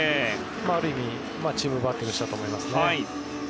ある意味、チームバッティングをしたと思いますね。